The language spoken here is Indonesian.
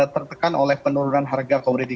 tertekan oleh penurunan harga komoditi